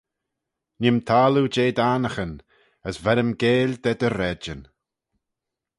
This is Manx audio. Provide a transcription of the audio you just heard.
Nee'm taggloo jeh dt'annaghyn: as ver-ym geill da dty raaidyn.